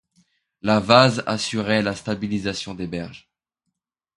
La vase assurait la stabilisation des berges.